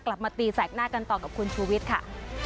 กลับมาตีแสกหน้ากันต่อกับคุณชูวิทย์ค่ะ